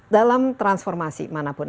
dalam transformasi manapun